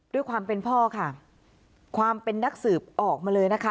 ด้วยความเป็นพ่อค่ะความเป็นนักสืบออกมาเลยนะคะ